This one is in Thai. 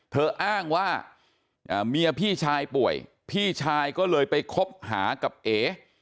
อ้างว่าเมียพี่ชายป่วยพี่ชายก็เลยไปคบหากับเอ